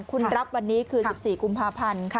คุณรับวันนี้คือ๑๔กุมภาพันธ์ค่ะ